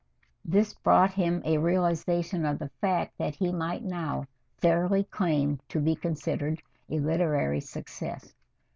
This brought him a realization of the fact that he might now fairly claim to be considered a literary success.